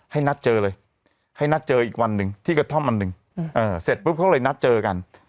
นัดเจอเลยให้นัดเจออีกวันหนึ่งที่กระท่อมอันหนึ่งเสร็จปุ๊บเขาเลยนัดเจอกัน